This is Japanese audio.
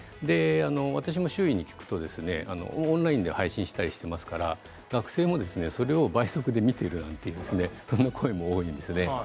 私も周囲に聞くとオンラインで配信したりしていますから学生もそれを倍速で見ているなんていう声も多いんですね。